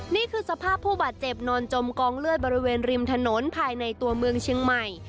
นี่คือสภาพผู้บาดเจ็บนอนจมกองเลือดบริเวณริมถนนภายในตัวเมืองเชียงใหม่